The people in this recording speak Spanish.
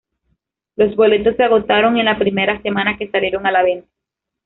Los boletos se agotaron en la primera semana que salieron a la venta.